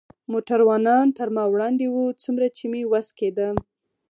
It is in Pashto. موټروانان تر ما وړاندې و، څومره چې مې وس کېده.